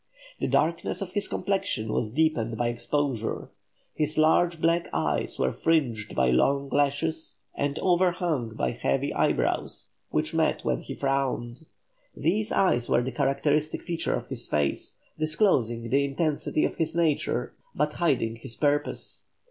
The darkness of his complexion was deepened by exposure; his large black eyes were fringed by long lashes and overhung by heavy eyebrows, which met when he frowned; these eyes were the characteristic feature of his face, disclosing the intensity of his nature, but hiding his purpose.